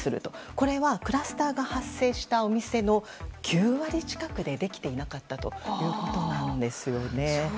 これはクラスターが発生したお店の９割近くでできていなかったということなんですよね。